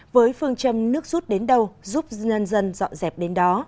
với phương châm nước rút đến đâu giúp nhân dân dọn dẹp đến đó